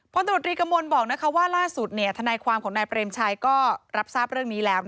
ตำรวจรีกระมวลบอกว่าล่าสุดธนายความของนายเปรมชัยก็รับทราบเรื่องนี้แล้ว